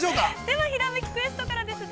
◆では「ひらめきクエスト」からです。